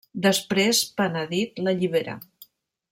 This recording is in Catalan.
Després, penedit, l'allibera.